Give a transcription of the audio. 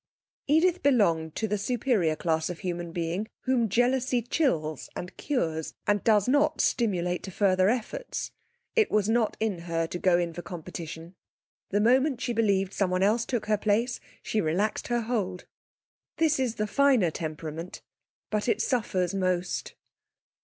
Edith belonged to the superior class of human being whom jealousy chills and cures, and does not stimulate to further efforts. It was not in her to go in for competition. The moment she believed someone else took her place she relaxed her hold. This is the finer temperament, but it suffers most.